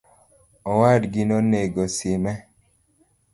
Owadgi nogone sime